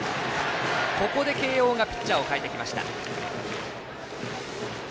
ここで慶応がピッチャーを代えてきました。